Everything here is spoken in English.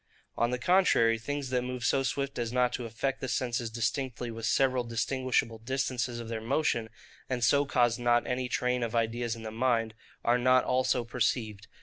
On the contrary, things that move so swift as not to affect the senses distinctly with several distinguishable distances of their motion, and so cause not any train of ideas in the mind, are not also perceived.